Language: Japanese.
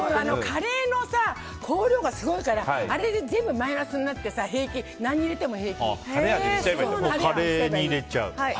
カレーの香料がすごいからあれで全部マイナスになってカレーに入れちゃう。